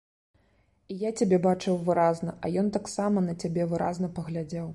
І я цябе бачыў выразна, а ён таксама на цябе выразна паглядзеў.